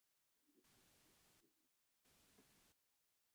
尤金真蚓。